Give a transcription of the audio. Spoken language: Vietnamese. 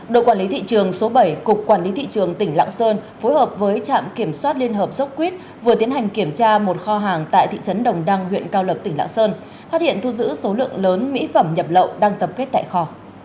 đội quản lý thị trường số bảy cục quản lý thị trường tỉnh lạng sơn phối hợp với trạm kiểm soát liên hợp dốc quýt vừa tiến hành kiểm tra một kho hàng tại thị trấn đồng đăng huyện cao lộc tỉnh lạng sơn phát hiện thu giữ số lượng lớn mỹ phẩm nhập lậu đang tập kết tại kho